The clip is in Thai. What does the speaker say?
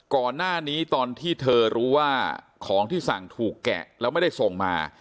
ก่อนหน้านี้ตอนที่เธอรู้ว่าของที่สั่งถูกแกะแล้วไม่ได้ส่งมา